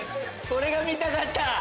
これが見たかった！